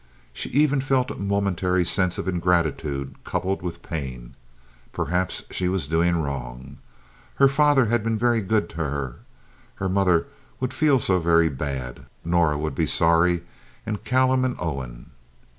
She even felt a momentary sense of ingratitude coupled with pain. Perhaps she was doing wrong. Her father had been very good to her. Her mother would feel so very bad. Norah would be sorry, and Callum and Owen.